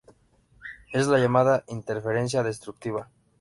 Es la llamada interferencia destructiva.